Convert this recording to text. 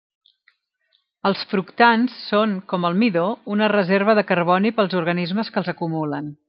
Els fructans són, com el midó, una reserva de carboni pels organismes que els acumulen.